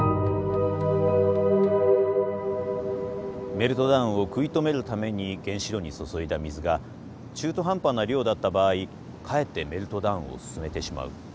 メルトダウンを食い止めるために原子炉に注いだ水が中途半端な量だった場合かえってメルトダウンを進めてしまう。